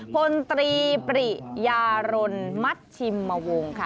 พลตรีปริยารนมัชชิมมวงค่ะ